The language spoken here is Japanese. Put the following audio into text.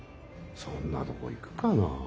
そんなとこ行くかな？